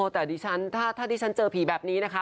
แต่ถ้าดิฉันเจอผีแบบนี้นะคะ